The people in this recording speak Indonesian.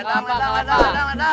kalah apa kalah apa